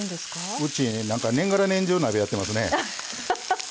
うち、年がら年中鍋やってますね。